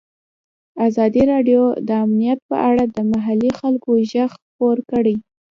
ازادي راډیو د امنیت په اړه د محلي خلکو غږ خپور کړی.